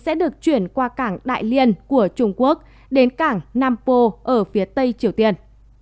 sẽ được chuyển qua cảng đại liên của trung quốc đến cảng nam po ở phía tây triều tiên